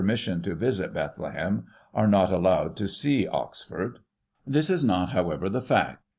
[1840 mission to visit Bethlehem, are not allowed to see Oxford. This is not, however, the fact.